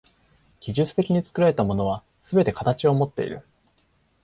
技術的に作られたものはすべて形をもっている。